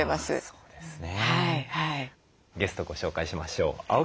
そうですね。